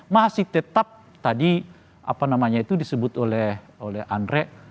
masih tetap tadi apa namanya itu disebut oleh andre